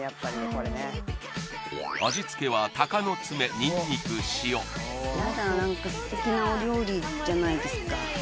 これね味付けはやだなんか素敵なお料理じゃないですか